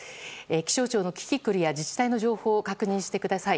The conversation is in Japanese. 気象庁のキキクルや自治体の情報を確認してください。